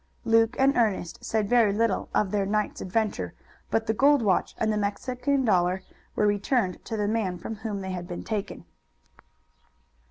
Luke and Ernest said very little of their night's adventure, but the gold watch and the Mexican dollar were returned to the man from whom they had been taken.